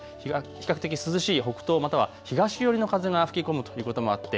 比較的涼しい北東、または東寄りの風が吹き込むということもあって